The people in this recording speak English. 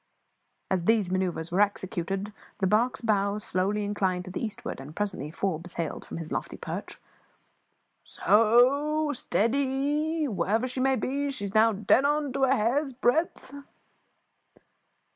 As these manoeuvres were executed, the barque's bows slowly inclined to the eastward, and presently Forbes hailed from his lofty perch "S o, stead y! Whatever she may be, she is now dead on end to a hair's breadth."